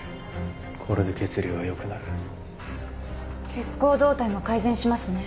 これで血流はよくなる血行動態も改善しますね